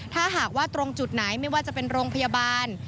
ถ้าหากว่าตรงจุดไหนไม่ว่าจะเป็นโรงพยาบาล